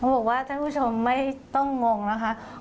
บอกว่าท่านผู้ชมไม่ต้องงงนะคะ